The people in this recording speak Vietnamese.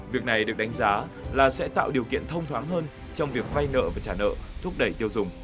việc này được đánh giá là sẽ tạo điều kiện thông thoáng hơn trong việc vay nợ và trả nợ thúc đẩy tiêu dùng